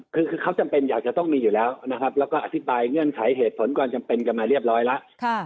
คือเขาจำเป็นอยากจะต้องมีอยู่แล้วนะครับแล้วก็อธิบายเงื่อนไขเหตุผลความจำเป็นกันมาเรียบร้อยแล้ว